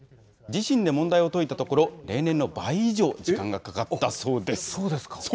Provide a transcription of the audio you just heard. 自身で問題を解いたところ、例年の倍以上、時間がかかったそうなそうですか。